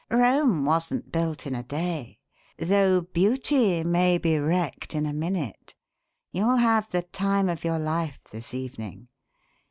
"Rome wasn't built in a day though beauty may be wrecked in a minute. You'll have the time of your life this evening.